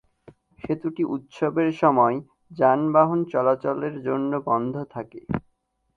সেতুটি উৎসবের সময় যানবাহন চলাচলের জন্য বন্ধ থাকে।